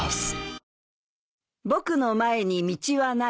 「僕の前に道はない。